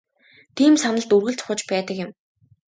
Тийм сандалд үргэлж сууж байдаг юм.